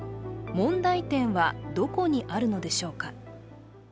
問題点はどこにあるのでしょうか。